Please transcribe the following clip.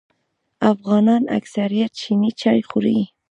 افغانان اکثریت شنې چای خوري